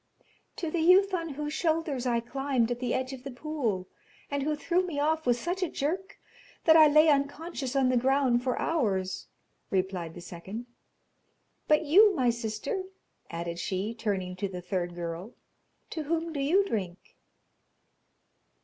'To the youth on whose shoulders I climbed at the edge of the pool, and who threw me off with such a jerk, that I lay unconscious on the ground for hours,' replied the second. 'But you, my sister,' added she, turning to the third girl, 'to whom do you drink?'